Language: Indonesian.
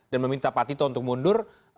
dan meminta pak tito untuk mundur